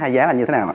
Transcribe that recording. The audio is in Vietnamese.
hai giá là như thế nào